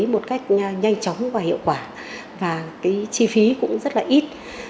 một cách nhanh chóng và hiệu quả và cái chi phí cũng rất là ít